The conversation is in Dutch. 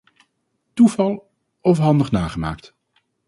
Toeval of handig nagemaakt?